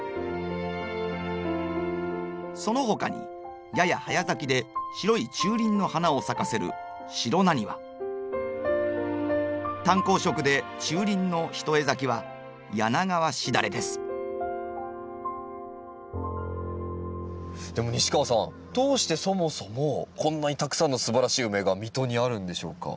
そのほかにやや早咲きで白い中輪の花を咲かせる淡紅色で中輪の一重咲きはでも西川さんどうしてそもそもこんなにたくさんのすばらしいウメが水戸にあるんでしょうか？